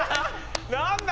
何だ？